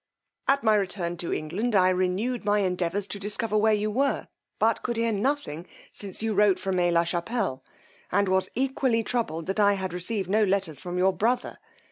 At my return to England I renewed my endeavours to discover where you were, but could hear nothing since you wrote from Aix la Chappelle, and was equally troubled that I had received no letters from your brother.